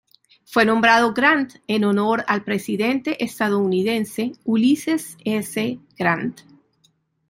Fue nombrado Grant en honor al presidente estadounidense Ulysses S. Grant.